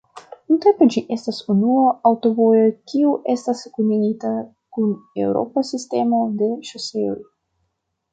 Nuntempe ĝi estas unua aŭtovojo kiu estas kunigita kun eŭropa sistemo de ŝoseoj.